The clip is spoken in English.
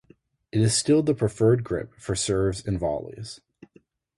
It is still the preferred grip for serves and volleys.